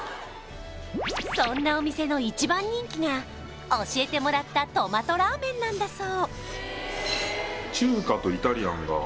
そんなお店の１番人気が教えてもらったトマトラーメンなんだそう